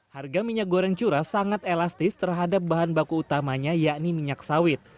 harga minyak goreng curah sangat elastis terhadap bahan baku utamanya yakni minyak sawit